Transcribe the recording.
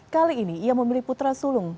kali ini ia memilih putra sulung